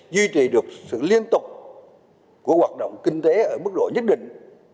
duy trì được sự liên tục của hoạt động kinh tế ở mức độ nhất định